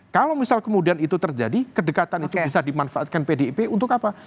kalau misal kemudian itu terjadi kedekatan itu bisa dimanfaatkan pdip untuk apa